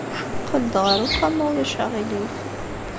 Qqel-d ɣer uxxam, ma ulac aɣilif.